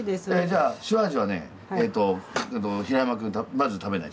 じゃあ塩味はね平山君まず食べなよ